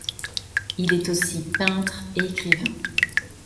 Il est aussi peintre et écrivain.